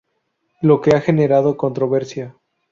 Lo que ha generado controversia.